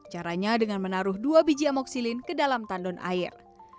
caranya dengan menaruh dua biji amoksilin ke dalam tandon air